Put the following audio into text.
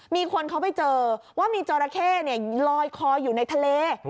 มีคนเขาไปเจอว่ามีจราเข้ลอยคออยู่ในทะเล